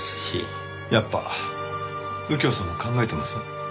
やっぱ右京さんも考えてます？